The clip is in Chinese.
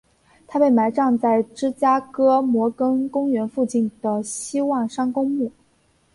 他被埋葬在芝加哥摩根公园附近的希望山公墓。